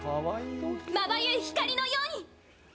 まばゆい光のように！